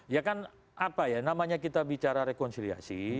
ya kan apa ya namanya kita bicara rekonsiliasi